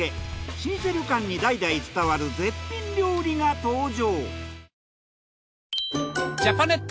老舗旅館に代々伝わる絶品料理が登場。